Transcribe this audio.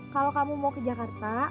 kalau kamu mau ke jakarta